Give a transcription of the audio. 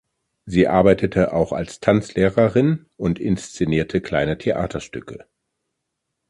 Sie arbeitete auch als Tanzlehrerin und inszenierte kleine Theaterstücke.